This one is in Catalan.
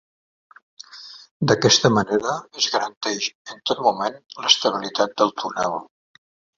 D'aquesta manera, es garanteix en tot moment l'estabilitat del túnel.